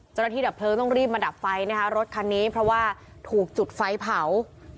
ดับเพลิงต้องรีบมาดับไฟนะคะรถคันนี้เพราะว่าถูกจุดไฟเผา